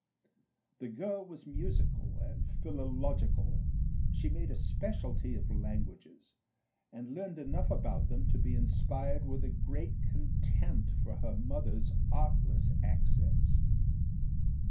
The girl was musical and philological; she made a specialty of languages and learned enough about them to be inspired with a great contempt for her motherâs artless accents.